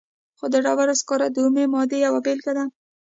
خو د ډبرو سکاره د اومې مادې یوه بیلګه ده.